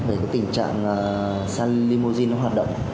về tình trạng xe limousine hoạt động